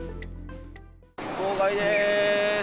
号外です！